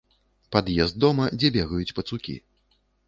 Пад'езд дома, дзе бегаюць пацукі.